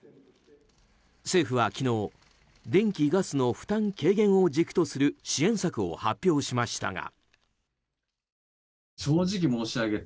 政府は昨日、電気・ガスの負担軽減を軸とする支援策を発表しましたが。